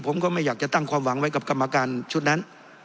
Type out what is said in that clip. ผมก็ไม่อยากจะตั้งความหวังไว้กับกรรมการชุดนั้น